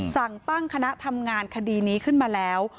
สั่งตั้งคณะทำงานคดีนี้ขึ้นมาแล้ว